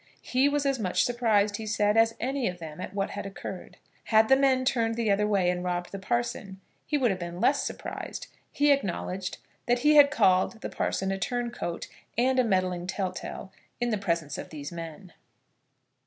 He was as much surprised, he said, as any of them at what had occurred. Had the men turned the other way and robbed the parson he would have been less surprised. He acknowledged that he had called the parson a turn coat and a meddling tell tale, in the presence of these men.